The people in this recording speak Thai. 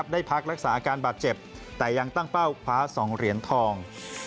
ได้พักรักษาอาการบาดเจ็บแต่ยังตั้งเป้าคว้า๒เหรียญทอง